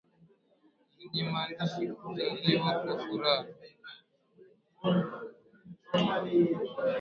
lenye maandishi kuzaliwa kwa furaha